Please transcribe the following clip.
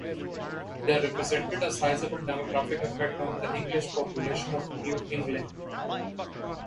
This represented a sizable demographic effect on the English population of New England.